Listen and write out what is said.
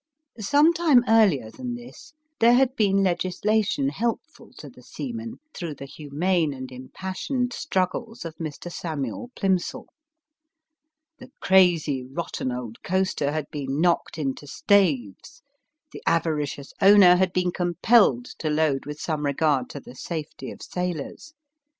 Some time earlier than this there had been legislation helpful to the seaman through the humane and impassioned struggles^ of Mr. Samuel Plimsoll. The crazy, rotten old coaster had been knocked into staves. The avaricious owner had been compelled to load with some regard to the safety of sailors.